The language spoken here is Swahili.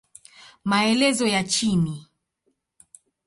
Maelezo ya chini